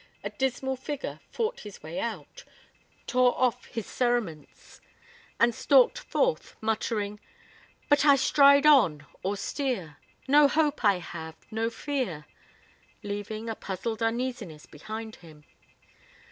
A dismal figure fought his way out, tore off his cerements, and stalked forth, muttering: "'But I stride on, austere. No hope I have, no fear,'" leaving a puzzled uneasiness behind him.